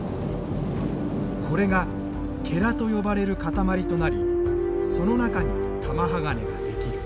これがと呼ばれる塊となりその中に玉鋼が出来る。